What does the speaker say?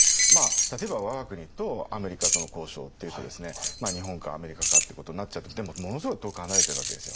例えば我が国とアメリカとの交渉っていうとですね日本かアメリカかってことになっちゃってでもものすごい遠く離れてるわけですよ。